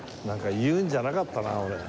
なんか言うんじゃなかったな俺。